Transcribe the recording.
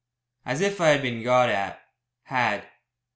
As if I had been "got at," "had."